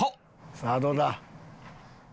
さあどうだ？